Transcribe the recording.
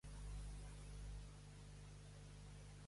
Què opinava de l'obra d'en Puigrafegut?